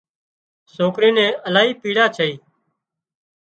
سوڪري نين الاهي پيڙا ڇئي